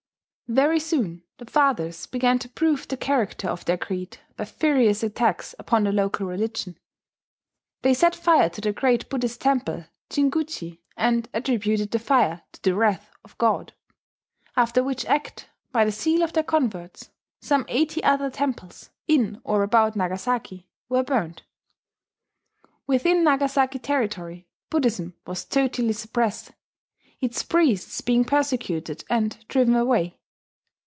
Very soon the fathers began to prove the character of their creed by furious attacks upon the local religion. They set fire to the great Buddhist temple, Jinguji, and attributed the fire to the "wrath of God," after which act, by the zeal of their converts, some eighty other temples, in or about Nagasaki, were burnt. Within Nagasaki territory Buddhism was totally suppressed, its priests being persecuted and driven away.